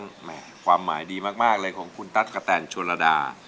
เพราะว่าความหมายดีมากของคุณตั๊ดกระแทนชวนละดา